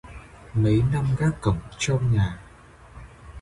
Mấy năm gác cổng trông nhà